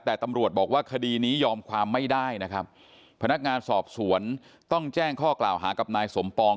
แต่ตำรวจบอกว่าคดีนี้ยอมความไม่ได้นะครับพนักงานสอบสวนต้องแจ้งข้อกล่าวหากับนายสมปอง